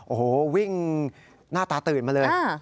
โอ้โหวิ่งหน้าตาตื่นมาเลย